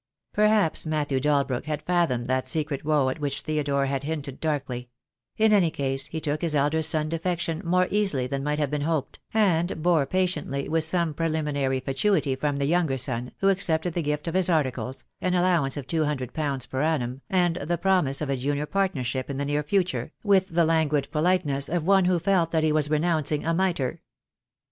Perhaps Matthew Dalbrook had fathomed that secret woe at which Theodore had hinted darkly; in any case he took his elder son's defection more easily than might have been hoped, and bore patiently with some pre liminary fatuity from the younger son, who accepted the gift of his articles, an allowance of two hundred pounds per annum, and the promise of a junior partnership in the near future, with the languid politeness of one who felt that he was renouncing a mitre.